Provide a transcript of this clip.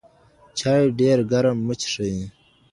چای ډېر ګرم مه څښئ.